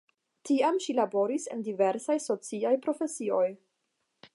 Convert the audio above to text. Tiam ŝi laboris en diversaj sociaj profesioj.